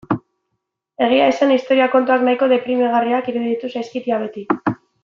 Egia esan historia kontuak nahiko deprimigarriak iruditu zaizkit ia beti.